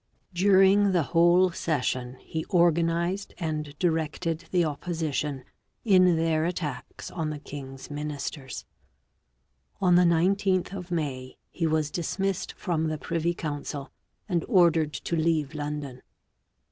During the whole session he organized and directed the opposition in their attacks on the king's ministers. On the 19th of May he was dismissed the privy council and ordered to leave London.